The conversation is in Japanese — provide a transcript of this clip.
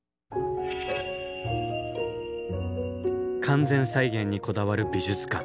完全再現にこだわる美術館。